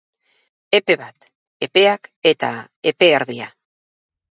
Epe bat, epeak eta epe erdia.